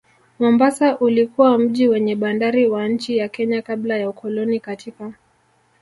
Mombasa ulikuwa mji wenye bandari wa nchi ya Kenya kabla ya ukoloni katika